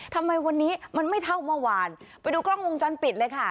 ทำไมวันนี้มันไม่เท่าเมื่อวานไปดูกล้องวงจรปิดเลยค่ะ